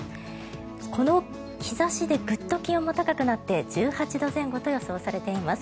この日差しでグッと気温も高くなって１８度前後と予想されています。